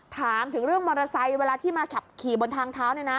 ถามถึงเรื่องมอเตอร์ไซค์เวลาที่มาขับขี่บนทางเท้าเนี่ยนะ